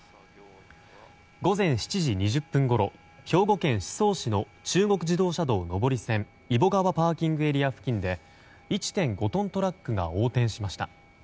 午前７時２０分ごろ兵庫県宍粟市の中国自動車道上り線揖保川ＰＡ付近で１．５トントラックが横転しました。